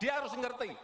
dia harus tahu